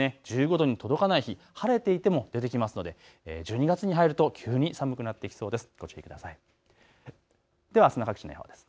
１５度に届かない日、晴れていても出てきますので１２月に入ると急に寒くなってきそうです。